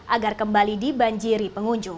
agar kembali dibanjiri pengunjung